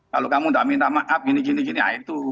kalau kamu tidak minta maaf gini gini gini gini nah itu